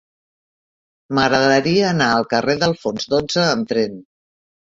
M'agradaria anar al carrer d'Alfons dotze amb tren.